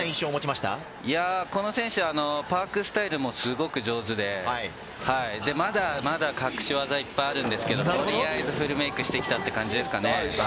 この選手はパークスタイルもすごく上手でまだまだ隠し技がいっぱいあるんですけど、とりあえずフルメイクしてきたっていう感じですかね。